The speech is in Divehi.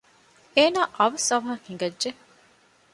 އޭނާ އަވަސް އަވަހަށް ހިނގައްޖެ